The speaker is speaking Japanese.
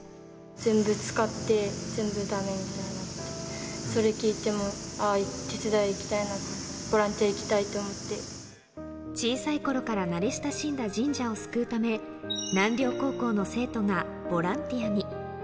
全部つかって、全部だめになって、それ聞いてもう、ああ手伝い行きたいな、小さいころから慣れ親しんだ神社を救うため、南稜高校の生徒がボランティアに。